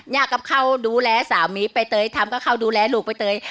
นี่ก็เขาดูแลสามีไปเตยทำก็เขาดูแลลูกไปเตย